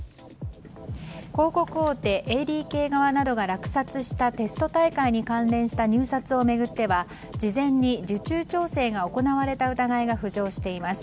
広告大手ＡＤＫ側などが落札したテスト大会に関連した入札を巡っては事前に受注調整が行われた疑いが浮上しています。